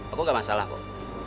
aku gak masalah kok